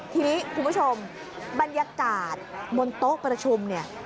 ทีนี้คุณผู้ชมบรรยากาศบนโต๊ะประชุมเนี่ย